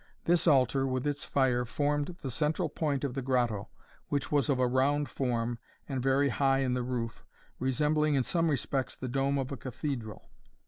This altar, with its fire, formed the central point of the grotto, which was of a round form, and very high in the roof, resembling in some respects the dome of a cathedral.